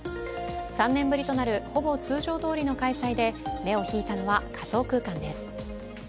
３年ぶりとなるほぼ通常どおりの開催で目を引いたのは仮想空間です。